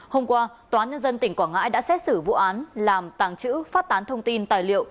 hôm qua tòa nhân dân tỉnh quảng ngãi đã xét xử vụ án làm tàng trữ phát tán thông tin tài liệu